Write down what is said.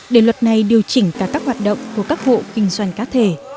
để luật này điều chỉnh cả các hoạt động của các hộ kinh doanh cá thể